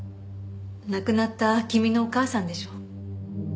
亡くなった君のお母さんでしょ？